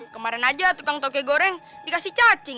kemarin aja tukang toke goreng dikasih cacing